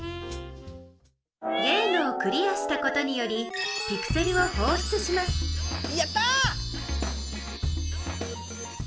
ゲームをクリアしたことによりピクセルをほうしゅつしますやったぁ！